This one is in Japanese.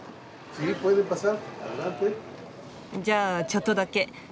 じゃあちょっとだけ。